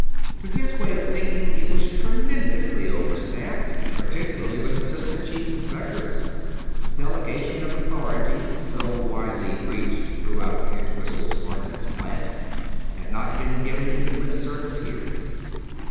To his way of thinking it was tremendously over staffed, particularly with Assistant Chief Inspectors. Delegation of authority, so widely preached throughout Entwhistle Ordnance Plant, had not been given even lip service here.